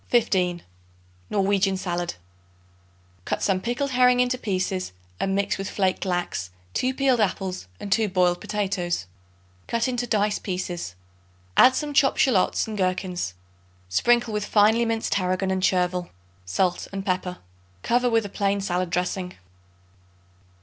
15. Norwegian Salad. Cut some pickled herring into pieces and mix with flaked lax, 2 peeled apples and 2 boiled potatoes. Cut into dice pieces; add some chopped shallots and gherkins; sprinkle with finely minced tarragon and chervil, salt and pepper. Cover with a plain salad dressing.